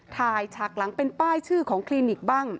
ฉากหลังเป็นป้ายชื่อของคลินิกบ้าง